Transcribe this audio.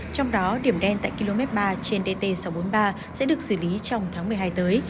trong đó điểm đen tại km ba trên dt sáu trăm bốn mươi ba sẽ được xử lý trong tháng một mươi hai tới